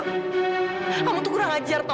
kamu tuh kurang ajar to